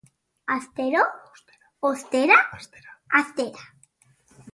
Astero ostera hastera.